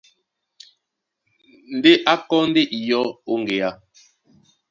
Ndé a kɔ́ ndé iyɔ́ ó ŋgeá.